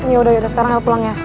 yaudah sekarang el pulang ya